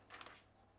menjadi kemampuan anda